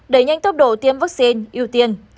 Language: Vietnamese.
đẩy nhanh tốc độ tiêm vaccine ưu tiên